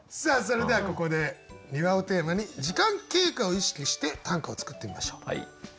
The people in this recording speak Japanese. それではここで「庭」をテーマに時間経過を意識して短歌を作ってみましょう。